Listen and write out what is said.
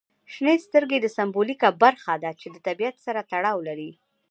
شنې سترګې د سمبولیکه برخه ده چې د طبیعت سره تړاو لري.